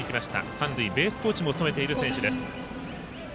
三塁ベースコーチも務めている選手です。